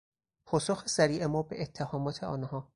پاسخ سریع ما به اتهامات آنها